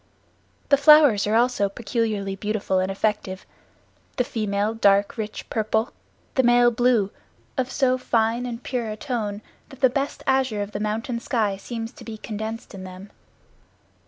The flowers also are peculiarly beautiful and effective; the female dark rich purple, the male blue, of so fine and pure a tone. What the best azure of the mountain sky seems to be condensed in them.